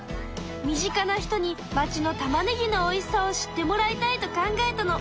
身近な人に町のたまねぎのおいしさを知ってもらいたいと考えたの。